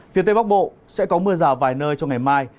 phía tây bắc bộ sẽ có mưa rào vài nơi cho ngày mai